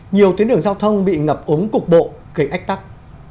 nhiều tuyến đường giao thông bị ngập ống cục bộ gây ách tắc